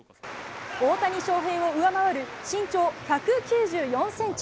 大谷翔平を上回る身長１９４ｃｍ。